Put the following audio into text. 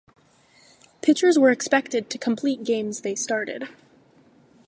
Pitchers were expected to complete games they started.